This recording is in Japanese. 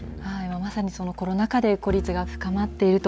まさにコロナ禍で孤立が深まっていると。